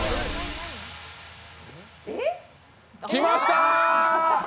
来ました！